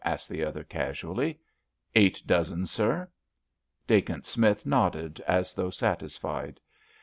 asked the other, casually. "Eight dozen, sir." Dacent Smith nodded, as though satisfied.